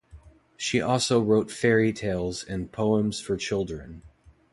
She also wrote fairy tales and poems for children.